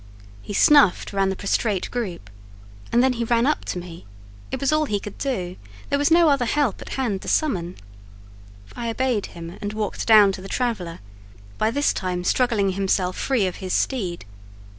He snuffed round the prostrate group, and then he ran up to me; it was all he could do,—there was no other help at hand to summon. I obeyed him, and walked down to the traveller, by this time struggling himself free of his steed.